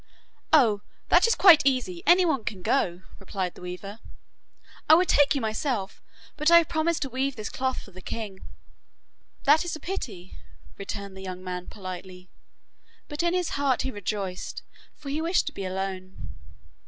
'Oh, that is quite easy anyone can go,' replied the weaver. 'I would take you myself, but I have promised to weave this cloth for the king.' 'That is a pity,' returned the young man politely, but in his heart he rejoiced, for he wished to be alone.